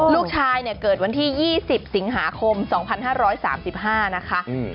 ลูกชายเนี่ยเกิดวันที่ยี่สิบสิงหาคมสองพันห้าร้อยสามสิบห้านะคะอืม